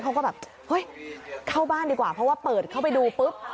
เขาก็แบบเฮ้ยเข้าบ้านดีกว่าเพราะว่าเปิดเข้าไปดูปุ๊บ